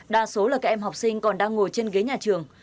đa số là các em học sinh còn đang ngồi trên ghế nhà trường